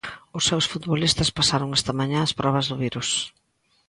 Os seus futbolistas pasaron esta mañá as probas do virus.